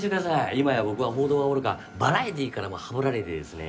今や僕は報道はおろかバラエティーからもはぶられてですね